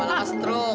gak lupa setruk